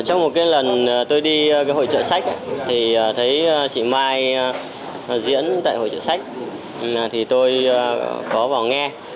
trong một cái lần tôi đi cái hội trợ sách thì thấy chị mai diễn tại hội trợ sách thì tôi có vào nghe